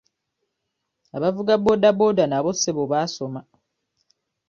Abavuga boodabooda nabo ssebo baasoma.